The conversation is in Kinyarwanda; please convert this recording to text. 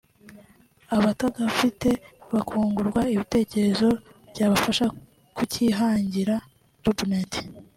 abatagafite bakungurwa ibitekerezo byabafasha kukihangira (Job Net)